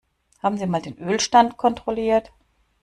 Haben Sie mal den Ölstand kontrolliert?